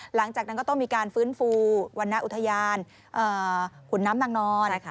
หลังจากนั้นก็ต้องมีการฟื้นฟูวรรณอุทยานขุนน้ำนางนอน